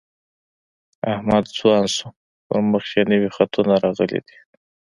احمد ځوان شو په مخ یې نوي خطونه راغلي دي.